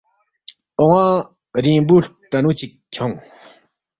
اون٘ا رِنگبو ہلٹنُو چِک کھیونگ